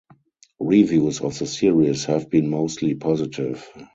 Reviews of the series have been mostly positive.